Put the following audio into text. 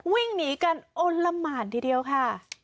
วิ่งหนีกันอ้นละหมานทีเดียวค่ะ